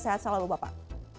sehat selalu bapak